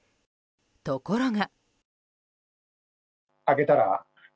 ところが。